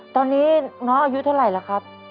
ตอนนี้น้องอายุเท่าไหร่แล้วครับ